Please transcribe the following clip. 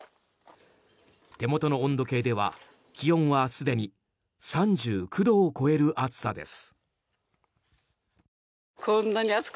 手元の温度計では気温はすでに３９度を超える暑さです。